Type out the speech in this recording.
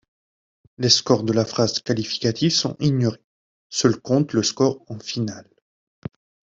Les scores de la phase qualificative sont ignorés, seul compte le score en finale.